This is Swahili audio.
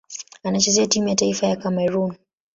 Anachezea timu ya taifa ya Kamerun.